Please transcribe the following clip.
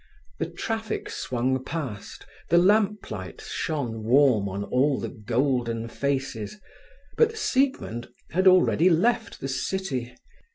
The traffic swung past the lamplight shone warm on all the golden faces; but Siegmund had already left the city.